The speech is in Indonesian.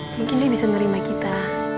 mungkin dia bisa menerima kita